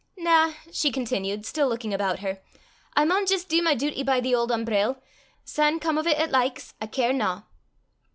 Na," she continued, still looking about her, "I maun jist dee my duty by the auld umbrell; syne come o' 't 'at likes, I carena."